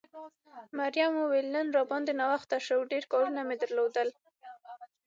مريم وویل نن را باندې ناوخته شو، ډېر کارونه مې درلودل.